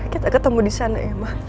kita ketemu di sana ya ma